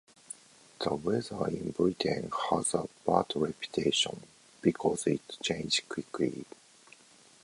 The weather in Britain has a bad reputation because it changes quickly.